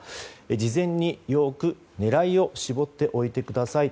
事前によく狙いを絞っておいてください。